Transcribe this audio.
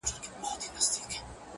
اوس په لمانځه کي دعا نه کوم ښېرا کومه؛